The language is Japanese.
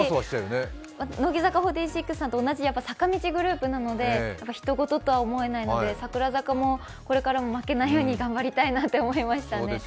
乃木坂４６さんと同じ坂道グループなのでひと事とは思えないので、櫻坂もこれからも負けないように頑張りたいなと思いました。